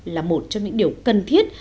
là một trong những điều cần thiết